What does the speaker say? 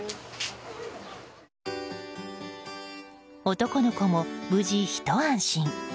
男の子も無事、ひと安心。